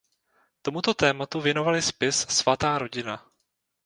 Tomuto tématu věnovali spis "Svatá rodina".